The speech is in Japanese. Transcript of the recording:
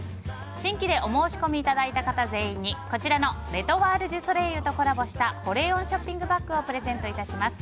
新規でお申し込みいただいた方全員に、こちらのレ・トワール・デュ・ソレイユとコラボした保冷温ショッピングバッグをプレゼント致します。